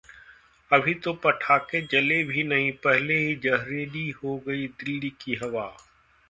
अभी तो पटाखे जले भी नहीं, पहले ही जहरीली हो गई दिल्ली की हवा